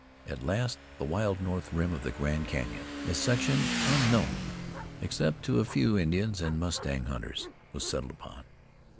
At last the wild north rim of the Grand Canyon, a section unknown except to a few Indians and mustang hunters, was settled upon.